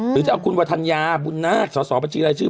หรือจะเอาคุณวัฒนญาบุญนาคต์สอสอบัญชีอะไรชื่อ